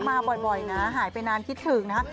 มาบ่อยนะหายไปนานคิดถึงนะฮะ